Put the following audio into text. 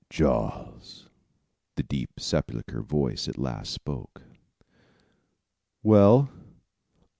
"Charles!" the deep sepulchral voice at last spoke. "Well?"